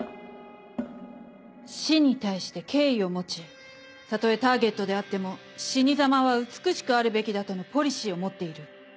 死に対して敬意を持ちたとえターゲットであっても死にざまは美しくあるべきだとのポリシーを持っている。